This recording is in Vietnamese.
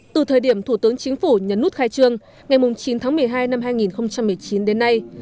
từ thời điểm thủ tướng chính phủ nhấn nút khai trương ngày chín tháng một mươi hai năm hai nghìn một mươi chín đến nay